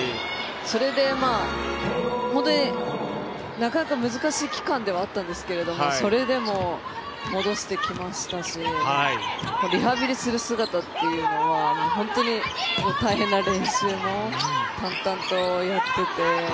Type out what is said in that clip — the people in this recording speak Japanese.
それで本当になかなか難しい期間ではあったんですけどそれでも戻してきましたしリハビリする姿っていうのはもう、本当に大変な練習も淡々とやっていて。